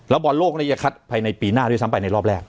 แล้วบอลโลกนี้จะคัดไปในปีหน้าด้วยซ้ำไปในรอบแรก